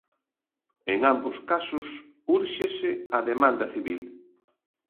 En ambos casos úrxese á demanda civil.